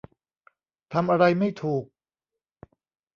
ทำอะไรไม่ถูก